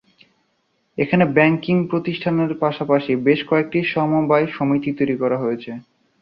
এখানে ব্যাংকিং প্রতিষ্ঠানের পাশাপাশি বেশ কয়েকটি সমবায় সমিতি তৈরি হয়েছে।